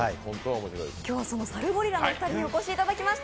今日はそのサルゴリラのお二人にお越しいただきました。